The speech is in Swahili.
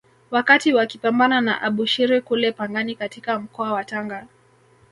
Wakati wakipambana na Abushiri kule Pangani katika mkoa wa Tanga